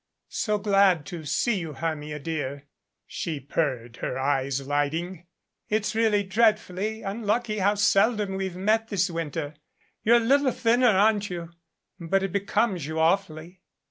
"So glad to see you, Hermia, dear," she purred, her eyes lighting. "It's really dreadfully unlucky how seldom we've met this winter. You're a little thinner, aren't you? But it becomes you awfully."